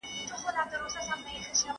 ¬ د نارينه خبره يوه وي.